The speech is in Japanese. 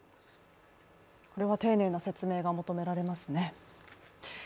これは丁寧な説明が求められますね。